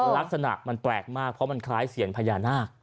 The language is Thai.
ลักษณะมันแปลกมากเพราะมันคล้ายเสียนพญานาค